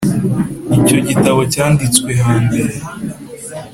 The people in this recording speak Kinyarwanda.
icyo gitabo cyanditswe hambere,